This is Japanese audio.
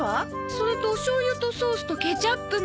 それとおしょう油とソースとケチャップも。